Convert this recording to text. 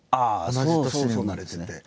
同じ年に生まれてて。